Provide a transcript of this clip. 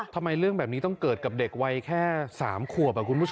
ทำไมเรื่องแบบนี้ต้องเกิดกับเด็กวัยแค่๓ขวบคุณผู้ชม